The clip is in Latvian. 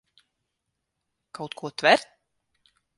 Kaut ko tver?